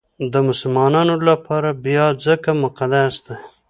د مسلمانانو لپاره بیا ځکه مقدس دی.